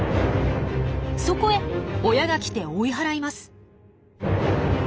そこへ親が来て追い払います！